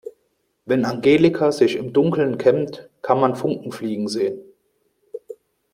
Wenn Angelika sich im Dunkeln kämmt, kann man Funken fliegen sehen.